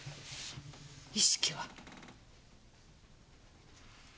意識は？